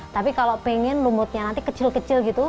tapi kalau pengen lumutnya nanti kecil kecil gitu